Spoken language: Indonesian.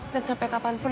dan sampai kapanpun